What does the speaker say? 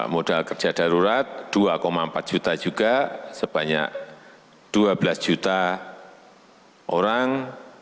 modal kerja darurat dua empat juta juga sebanyak dua belas juta orang